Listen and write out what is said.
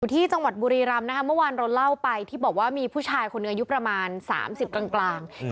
ที่จังหวัดบุรีรำนะคะเมื่อวานเราเล่าไปที่บอกว่ามีผู้ชายคนหนึ่งอายุประมาณ๓๐กลาง